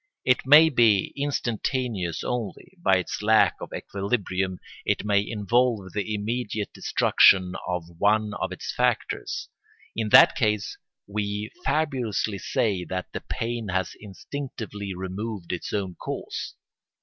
It may be instantaneous only; by its lack of equilibrium it may involve the immediate destruction of one of its factors. In that case we fabulously say that the pain has instinctively removed its own cause.